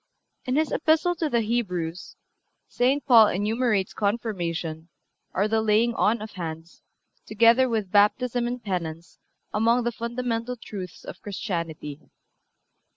(355) In his Epistle to the Hebrews St. Paul enumerates Confirmation, or the laying on of hands, together with Baptism and Penance, among the fundamental truths of Christianity.